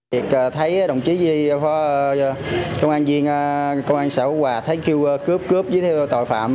việc thấy đồng chí duy có công an viên công an sở quà thấy kêu cướp cướp dưới theo tội phạm